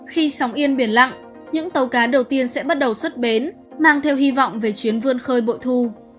khi sóng yên biển lặng những tàu cá đầu tiên sẽ bắt đầu xuất bến mang theo hy vọng về chuyến vươn khơi bội thu